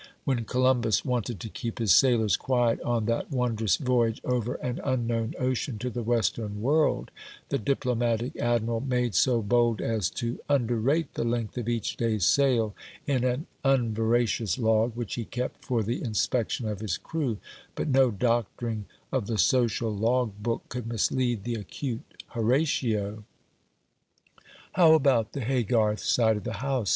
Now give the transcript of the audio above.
When Columbus wanted to keep his sailors quiet on that wondrous voyage over an unknown ocean to the Western world, the diplomatic admiral made so bold as to underrate the length of each day's sail in an unveracious log, which he kept for the inspection of his crew; but no doctoring of the social log book could mislead the acute Horatio. "How about the Haygarth side of the house?"